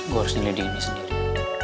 gue harus nyelidih ini sendiri